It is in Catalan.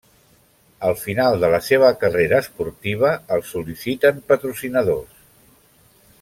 Al final de la seva carrera esportiva, el sol·liciten patrocinadors.